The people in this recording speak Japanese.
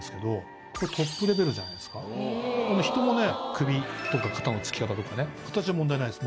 首とか肩のつき方とかね形問題ないです。